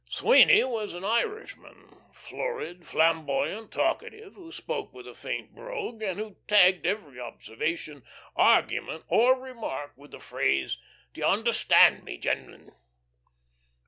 Sweeny was an Irishman, florid, flamboyant, talkative, who spoke with a faint brogue, and who tagged every observation, argument, or remark with the phrase, "Do you understand me, gen'lemen?"